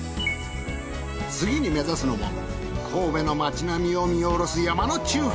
次に目指すのも神戸の町並みを見下ろす山の中腹。